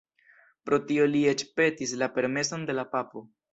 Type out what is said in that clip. Pro tio li eĉ petis la permeson de la Papo.